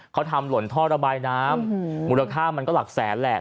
เขาทำหล่นท่อระบายน้ำมูลค่ามันก็หลักแสนแหละ